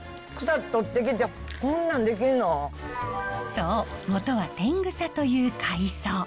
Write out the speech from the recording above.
そう元はテングサという海藻。